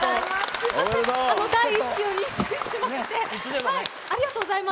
第一子を妊娠しましてありがとうございます。